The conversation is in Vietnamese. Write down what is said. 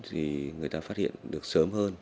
thì người ta phát hiện được sớm hơn